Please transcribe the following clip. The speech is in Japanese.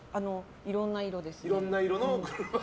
いろんな色です。